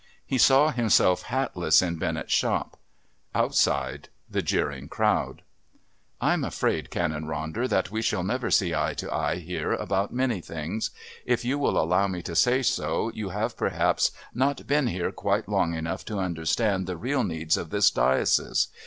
He saw himself hatless in Bennett's shop; outside, the jeering crowd. "I'm afraid, Canon Ronder, that we shall never see eye to eye here about many things. If you will allow me to say so, you have perhaps not been here quite long enough to understand the real needs of this diocese.